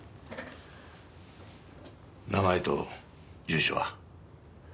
名前と住所は？